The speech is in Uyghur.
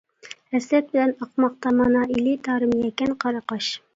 ھەسرەت بىلەن ئاقماقتا مانا، ئىلى، تارىم، يەكەن، قارىقاش.